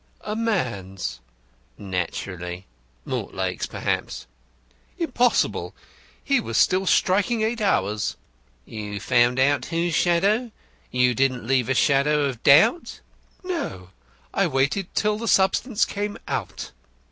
"A man's." "Naturally. Mortlake's, perhaps." "Impossible. He was still striking eight hours." "You found out whose shadow? You didn't leave a shadow of doubt?" "No; I waited till the substance came out."